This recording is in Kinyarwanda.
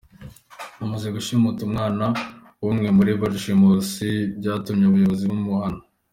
Amaze gushimuta umwana w’umwe muri barushimusi, byatumye ubuyobozi bumuhana.